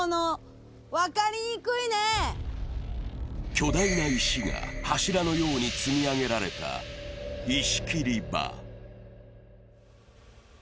巨大な石が柱のように積み上げられた石切場。